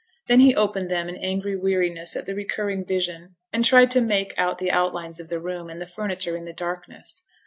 Then he opened them in angry weariness at the recurring vision, and tried to make out the outlines of the room and the furniture in the darkness.